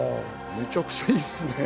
めちゃくちゃいいっすね。